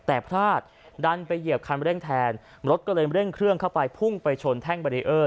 แต่พลาดดันไปเหยียบคันเร่งแทนรถก็เลยเร่งเครื่องเข้าไปพุ่งไปชนแท่งบารีเออร์